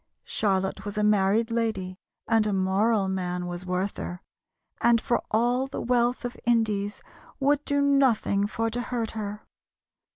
Charlotte was a married lady, And a moral man was Werther, And for all the wealth of Indies Would do nothing for to hurt her.